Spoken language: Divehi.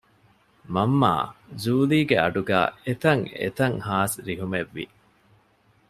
މަންމާ ޖޫލީގެ އަޑުގައި އެތަށްއެތަށް ހާސް ރިހުމެއްވި